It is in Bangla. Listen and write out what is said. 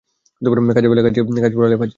কাজের বেলায় কাজি কাজ ফুরালে পাজি।